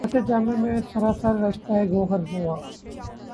خطِ جامِ مے سراسر، رشتہٴ گوہر ہوا